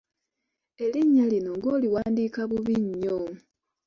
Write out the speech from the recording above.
Erinnya lino ng'oliwandiika bubi nnyo?